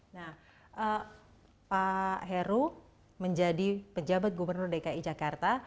nah pak heru menjadi pejabat gubernur dki jakarta